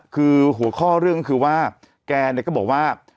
คือหัวข้อเรื่องก็คือว่าแกเนี่ยก็บอกว่า